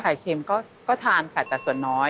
เค็มก็ทานค่ะแต่ส่วนน้อย